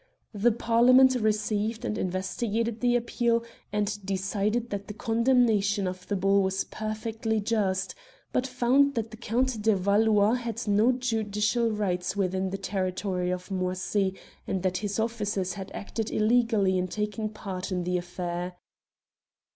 The parliament received and investigated the appeal, and decided that the condemnation of the bull was perfectly just, but found that the Count 59 Curiosities of Olden Times de Valois had no judicial rights within the territory of Moisy, and that his officers had acted illegally in taking part in the affair.